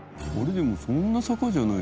でもそんな坂じゃない。